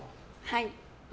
はい。